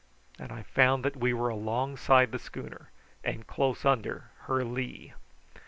and I found that we were alongside the schooner, and close under her lee.